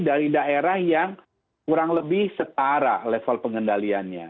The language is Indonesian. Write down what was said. dari daerah yang kurang lebih setara level pengendaliannya